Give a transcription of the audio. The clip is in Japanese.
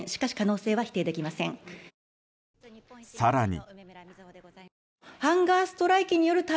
更に。